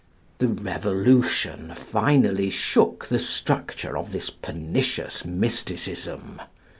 The revolution finally shook the structure of this pernicious mysticism.